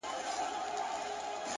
هره هڅه د ځان د درک برخه ده